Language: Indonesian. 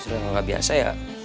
justru kalau gak biasa ya